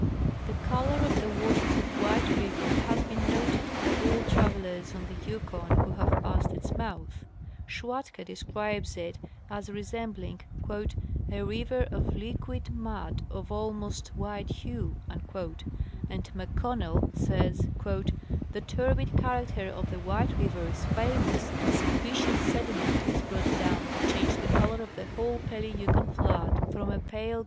The color of the waters of White river has been noted by all travelers on the Yukon who have passed its mouth. Schwatka* describes it as resembling " a river of liquid mud of almost white hue," and McConnellf says :" The turbid character of the White river is famous, and sufficient sediment is brought down to change the color of the whole Pelly Yukon flood from a pale * Along Alaska's Great River : New York, 1885, p. 240.